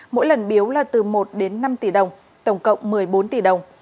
mỗi lần biếu là từ một đến năm tỷ đồng tổng cộng một mươi bốn tỷ đồng